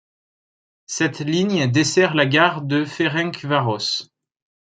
Cette ligne dessert la Gare de Ferencváros.